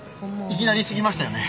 いきなりすぎましたよね。